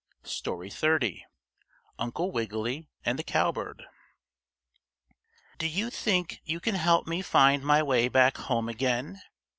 STORY XXX UNCLE WIGGILY AND THE COWBIRD "Do you think you can help me find my way back home again?"